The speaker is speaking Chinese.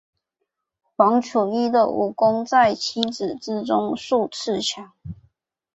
王处一的武功在七子之中数次强。